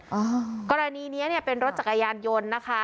อ่ากรณีเนี้ยเนี้ยเป็นรถจักรยานยนต์นะคะ